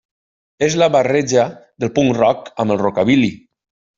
És la barreja del punk rock amb el rockabilly.